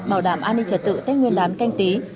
bảo đảm an ninh trật tự thách nguyên đám canh tí